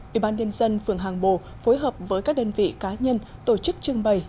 ủy ban nhân dân phường hàng bồ phối hợp với các đơn vị cá nhân tổ chức trưng bày